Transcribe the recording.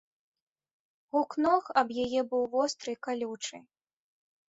Гук ног аб яе быў востры і калючы.